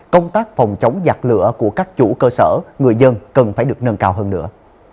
công tác phòng chống giặc lửa của các chủ cơ sở người dân cần phải được nâng cao hơn nữa